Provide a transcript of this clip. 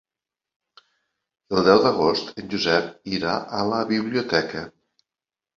El deu d'agost en Josep irà a la biblioteca.